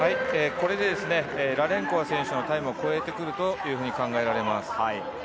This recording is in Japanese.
これでラレンコワ選手のタイムを超えてくるというふうに考えられます。